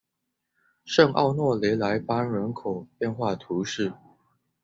圣奥诺雷莱班人口变化图示